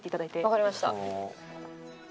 わかりました。